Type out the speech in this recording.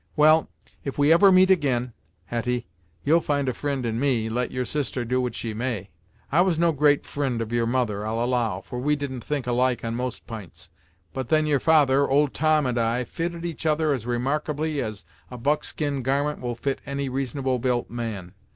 Well, if we ever meet ag'in, Hetty, you'll find a fri'nd in me, let your sister do what she may. I was no great fri'nd of your mother I'll allow, for we didn't think alike on most p'ints, but then your father, Old Tom, and I, fitted each other as remarkably as a buckskin garment will fit any reasonable built man.